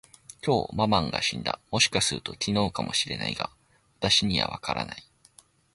きょう、ママンが死んだ。もしかすると、昨日かも知れないが、私にはわからない。